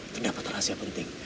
terdapat rahasia penting